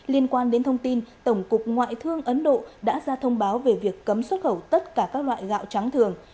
liên quan đến thông tin tổng cục ngoại thương ấn độ đã ra thông báo về việc cấm xuất khẩu tất cả các loại gạo trắng thường